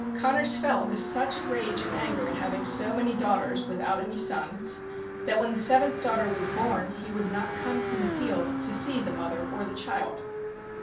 Connors fell into such rage and anger at having so many daughters, without any sons, that when the seventh daughter was born he would not come from the field to see the mother or the child.